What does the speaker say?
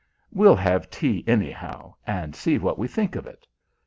"We'll have tea anyhow, and see what we think of it."